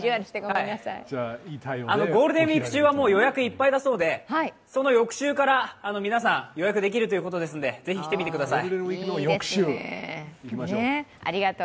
ゴールデンウイーク中は、もう予約いっぱいだそうで、その翌週から皆さん予約できるということですので、是非、来てください。